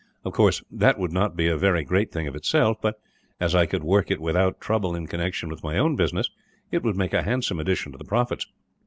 Of course, that would not be a very great thing of itself but, as I could work it without trouble in connection with my own business, it would make a handsome addition to the profits."